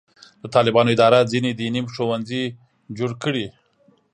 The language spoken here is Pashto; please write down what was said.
د طالبانو اداره ځینې دیني ښوونځي جوړ کړي.